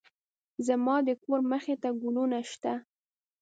زما د کور مخې ته ګلونه شته